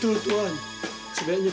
sebenarnya tuhan datang melihat sendiri